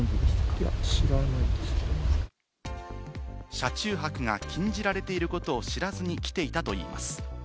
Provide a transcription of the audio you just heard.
車中泊が禁じられていることを知らずに来ていたといいます。